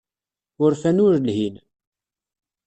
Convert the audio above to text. Urfan ur lhin.